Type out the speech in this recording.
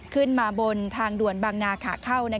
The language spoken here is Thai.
ขึ้นมาบนทางด่วนบางนาขาเข้า